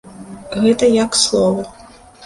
Гэта я к слову.